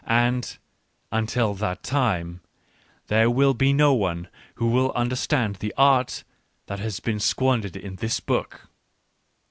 ... And, until that time, there will be no one who will understand the art that has been squandered in this book.